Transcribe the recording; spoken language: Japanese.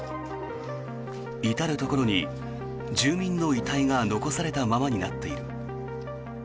至るところに住民の遺体が残されたままになっている。